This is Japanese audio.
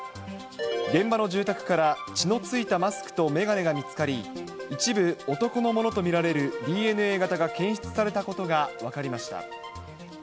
現場の住宅から血のついたマスクと眼鏡が見つかり、一部、男のものと見られるＤＮＡ型が検出されたことが分かりました。